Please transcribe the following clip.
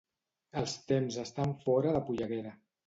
Els temps estan fora de polleguera